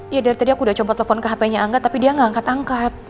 ya dari tadi aku udah compot telepon ke hp nya angka tapi dia nggak angkat angkat